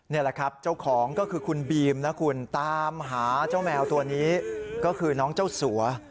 นี่แหละครับเจ้าของก็คือคุณบีมนะคุณตามหาเจ้าแมวตัวนี้ก็คือน้องเจ้าสัว